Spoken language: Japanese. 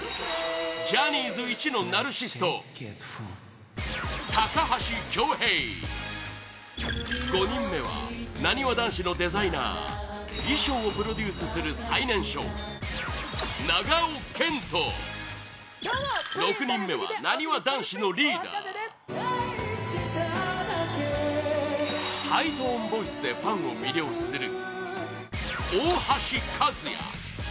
ジャニーズいちのナルシスト高橋恭平５人目はなにわ男子のデザイナー衣装をプロデュースする最年少長尾謙杜６人目はなにわ男子のリーダーハイトーンボイスでファンを魅了する大橋和也